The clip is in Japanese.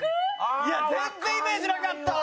いや全然イメージなかったわ。